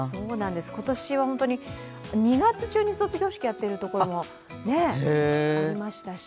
今年は本当に、２月中に卒業式やっているところもありましたし。